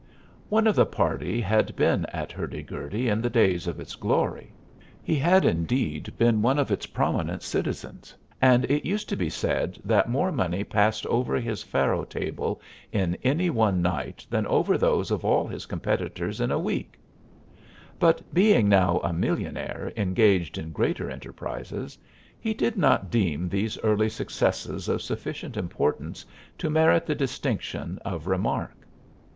One of the party had been at Hurdy Gurdy in the days of its glory. He had, indeed, been one of its prominent citizens; and it used to be said that more money passed over his faro table in any one night than over those of all his competitors in a week; but being now a millionaire engaged in greater enterprises, he did not deem these early successes of sufficient importance to merit the distinction of remark.